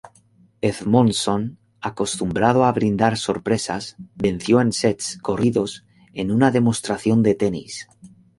Edmondson, acostumbrado a brindar sorpresas, venció en sets corridos en una demostración de tenis.